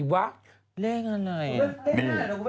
ไหนวะเลขอะไรเลข๕ของคุณแม่นนะ